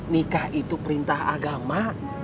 nikah itu perintah agama